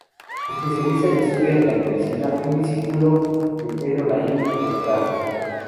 Especialista en Historia de la Medicina, fue discípulo de Pedro Laín Entralgo.